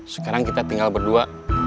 sekarang kita tinggal berdua